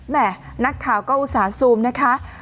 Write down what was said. แม่นักข่าวก็อุตส่าห์ซูมนะคะ